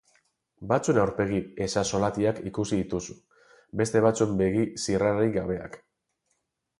Batzuen aurpegi ezaxolatiak ikusi dituzu, beste batzuen begi zirrararik gabeak.